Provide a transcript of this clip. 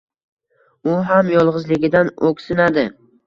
U ham yolgʻizligidan oʻksinadi